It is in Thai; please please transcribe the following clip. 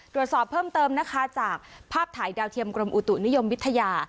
ตรวจสอบเพิ่มเติมนะคะจากภาพถ่ายดาวเทียมกรมอุตุนิยมวิทยา